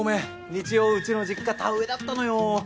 日曜うちの実家田植えだったのよ。